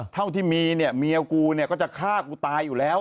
เท่าที่มีเนี่ยเมียกูเนี่ยก็จะฆ่ากูตายอยู่แล้ว